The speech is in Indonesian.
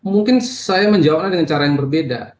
mungkin saya menjawabnya dengan cara yang berbeda